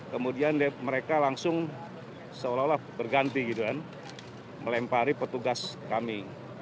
kemudian mereka langsung seolah olah berganti gitu kan melempari petugas kami